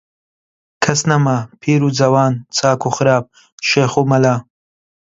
کەس نەما، پیر و جەوان، چاک و خراپ، شێخ و مەلا